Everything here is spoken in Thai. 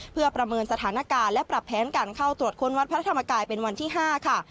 เพื่อประเมินสถานการณ์และปรับแผนการเข้าตรวจค้นวัดพระธรรมกายเป็นวันที่๕ค่ะ